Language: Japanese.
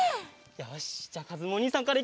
よしじゃあかずむおにいさんからいくぞ！